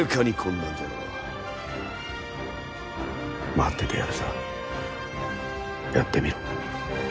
待っててやるさやってみろ。